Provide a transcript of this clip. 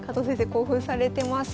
興奮されてます。